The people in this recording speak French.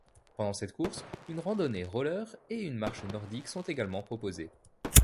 Pendant cette course une randonnée roller et une marche nordique sont également proposées.